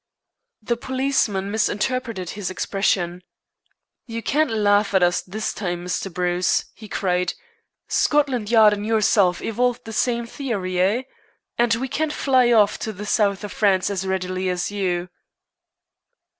The policeman misinterpreted his expression. "You can't laugh at us this time, Mr. Bruce," he cried. "Scotland Yard and yourself evolved the same theory, eh? And we can't fly off to the South of France as readily as you."